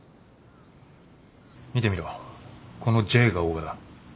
見てみろこの Ｊ が大賀だ